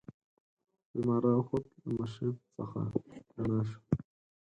لمر را وخوت له مشرق څخه رڼا شوه.